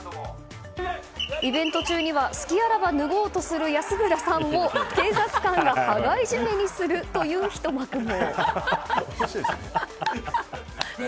イベント中には隙あらば脱ごうとする安村さんを警察官が羽交い締めにするというひと幕も。